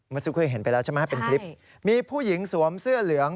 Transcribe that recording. เมื่อสักครู่เคยเห็นไปแล้วใช่ไหมเป็นคลิปมีผู้หญิงสวมเสื้อเหลือง